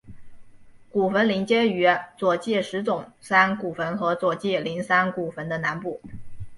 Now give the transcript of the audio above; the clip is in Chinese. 古坟邻接于佐纪石冢山古坟和佐纪陵山古坟的南部。